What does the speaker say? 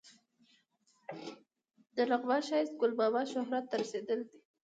د لغمان ښایسته ګل ماما شهرت ته رسېدلی دی.